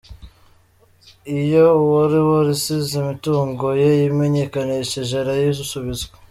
Iyo uwari warasize imitungo ye yimenyekanishije arayisubizwa.